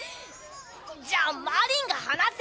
じゃあマリンが離せよ！